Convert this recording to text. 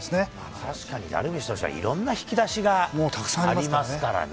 確かにダルビッシュ投手は、いろんな引き出しがありますからね。